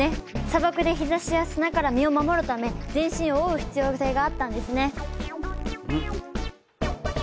砂漠で日ざしや砂から身を守るため全身を覆う必要性があったんですね。